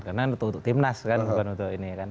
karena itu untuk timnas kan bukan untuk ini kan